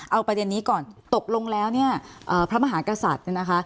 เอาประเด็นนี้ก่อนตกลงแล้วเนี่ยพระมหากษัตริย์เนี่ยนะคะ